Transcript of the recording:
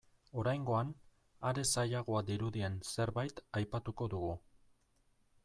Oraingoan, are zailagoa dirudien zerbait aipatuko dugu.